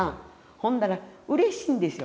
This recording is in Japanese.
ほんだらうれしいんですよ。